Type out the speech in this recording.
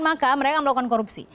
maka mereka melakukan korupsi